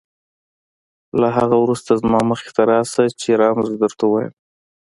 له هغې وروسته زما مخې ته راشه چې رمز درته ووایم.